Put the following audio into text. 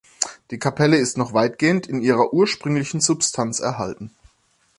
Die Kapelle ist noch weitgehend in ihrer ursprünglichen Substanz erhalten.